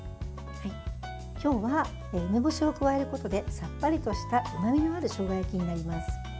今日は梅干しを加えることでさっぱりとしたうまみのあるしょうが焼きになります。